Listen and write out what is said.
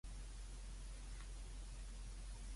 可以話係鬆一口氣